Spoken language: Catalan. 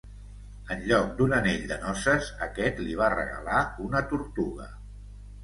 En lloc d'un anell de noces, aquest li va regalar una tortuga.